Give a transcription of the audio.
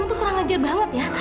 kamu tuh kurang ajar banget ya